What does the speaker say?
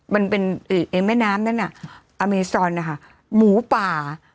มันเป็นแม่น้ำนั่นน่ะอเมซอนนะคะหมูป่า